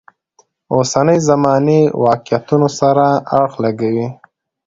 اوسنۍ زمانې واقعیتونو سره اړخ لګوي.